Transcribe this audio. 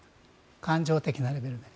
感情的なレベルで。